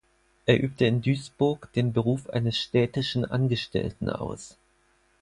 Er übte in Duisburg den Beruf eines städtischen Angestellten aus.